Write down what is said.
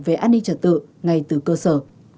về an ninh trật tự ngay từ cơ sở